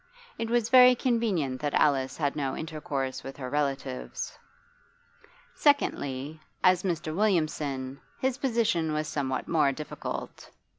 It was very convenient that Alice had no intercourse with her relatives. Secondly, as Mr. Williamson his position was somewhat more difficult.